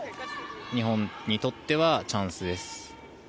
日本にとってはチャンスです。